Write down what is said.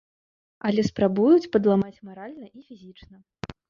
Але спрабуюць падламаць маральна і фізічна.